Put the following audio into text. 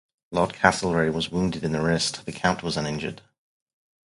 Lord Castlereagh was wounded in the wrist; the Count was uninjured.